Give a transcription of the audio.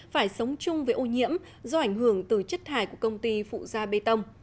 phải sống chung với ô nhiễm do ảnh hưởng từ chất thải của công ty phụ gia bê tông